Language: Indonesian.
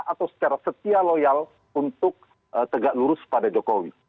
atau secara setia loyal untuk tegak lurus pada jokowi